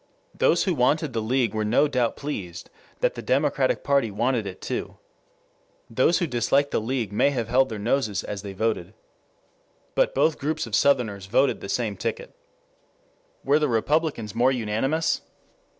Those who wanted the League were no doubt pleased that the Democratic party wanted it too. Those who disliked the League may have held their noses as they voted. But both groups of Southerners voted the same ticket. Were the Republicans more unanimous?